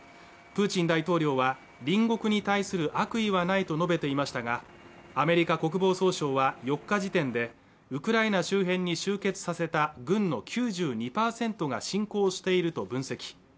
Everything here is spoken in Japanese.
プーチン大統領は隣国に対する悪意はないと述べていましたがアメリカ国防総省は４日時点でウクライナ周辺に集結させた軍の９２％が侵攻していると分析